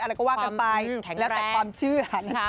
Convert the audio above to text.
อะไรก็ว่ากันไปแล้วแต่ความเชื่อนะจ๊